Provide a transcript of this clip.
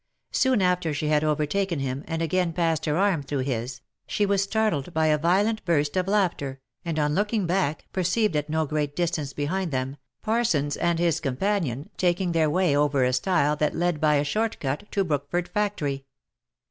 Soon after she had overtaken him, and again passed her arm through his, she was startled by a violent burst of laughter, and on looking back, perceived at no great distance behind them, Parsons and his companion, taking their way over a style that led by a short cut to Brookford factory.